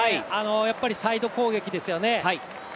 やっぱりサイド攻撃ですよね。